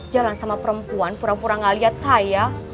jalan sama perempuan pura pura gak lihat saya